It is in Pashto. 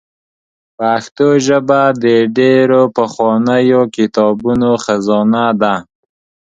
پښتو ژبه د ډېرو پخوانیو کتابونو خزانه ده.